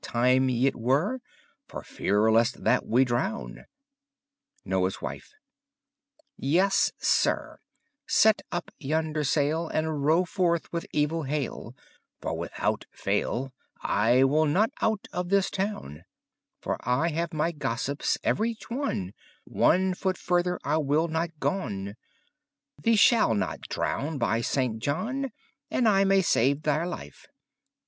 tyme yt were, For feare leste that we drowne. Noye's Wiffe Yes, sir, sette up youer saile, And rowe fourth with evill haile, For withouten (anye) fayle I will not oute of this towne; But I have my gossippes everyechone, One foote further I will not gone: The shall not drowne, by Sainte John! And I may save ther life.